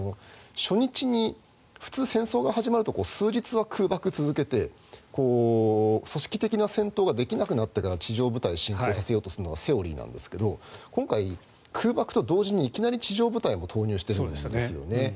初日に普通、戦争が始まると数日は空爆を続けて組織的な戦闘ができなくなってから地上部隊を侵攻させるのがセオリーなんですが今回、空爆と同時にいきなり地上部隊も投入しているんですよね。